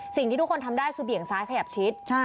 สิ่งที่ทุกคนทำได้คือเบี่ยงซ้ายขยับชิด